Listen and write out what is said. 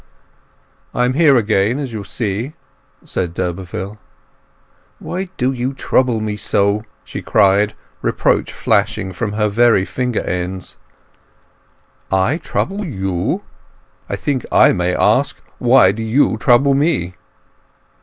"I am here again, as you see," said d'Urberville. "Why do you trouble me so!" she cried, reproach flashing from her very finger ends. "I trouble you? I think I may ask, why do you trouble me?"